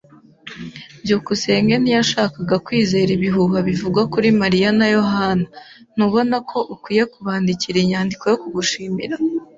byukusenge ntiyashakaga kwizera ibihuha bivuga kuri Mariya na Yohana. Ntubona ko ukwiye kubandikira inyandiko yo kugushimira?